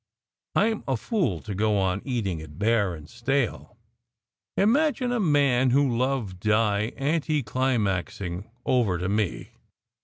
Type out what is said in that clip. I m a fool to go on eating it bare and stale ! Imagine a man who loved Di anticlimaxing over to me!"